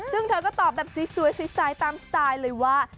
ซึ่งเธอก็ตอบแบบสวยใสตามสไตล์เลยว่า